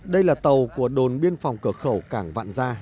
đây là tàu của đồn biên phòng cửa khẩu cảng vạn gia